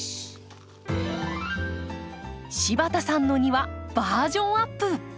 柴田さんの庭バージョンアップ！